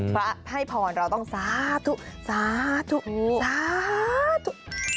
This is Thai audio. พระให้พรเราต้องสาธุสาธุสาธุ